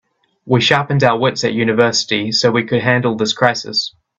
We sharpened our wits at university so we could handle this crisis.